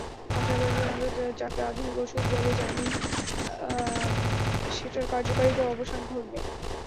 পাশাপাশি আমরা যাকে আধুনিক ওষুধ বলে জানি, সেটার কার্যকারিতারও অবসান ঘটবে।